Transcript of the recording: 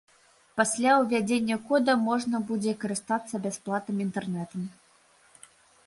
Пасля ўвядзення кода можна будзе карыстацца бясплатным інтэрнэтам.